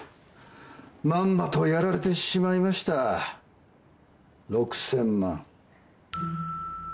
まんまとやられてしまいました６，０００万。